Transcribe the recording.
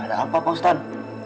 ada apa pak ustaz